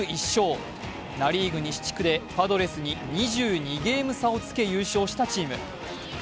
ナ・リーグ西地区でパドレスに２２ゲーム差をつけ優勝したチーム。